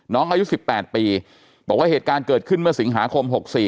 น้องอายุ๑๘ปีบอกว่าเหตุการณ์เกิดขึ้นเมื่อสิงหาคม๖๔